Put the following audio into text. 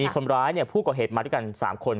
คนร้ายผู้ก่อเหตุมาด้วยกัน๓คน